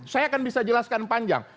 saya akan bisa jelaskan panjang